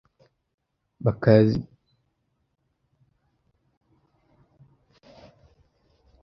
bakabizera ndetse bakabashyigikira ntakibazo